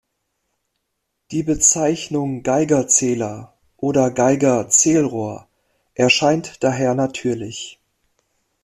Die Bezeichnung „Geigerzähler“ oder „Geiger-Zählrohr“ erscheint daher natürlich.